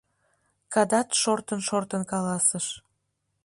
— Кадат шортын-шортын каласыш.